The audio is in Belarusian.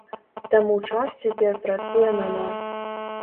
Таму час цяпер працуе на нас.